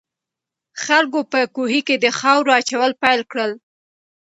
خلکو په کوهي کې د خاورو اچول پیل کړل.